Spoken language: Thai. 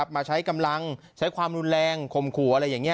มาใช้กำลังใช้ความรุนแรงข่มขู่อะไรอย่างนี้